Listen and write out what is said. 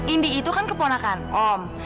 indi itu kan keponakan om